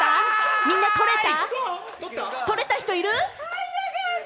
みんな取れた？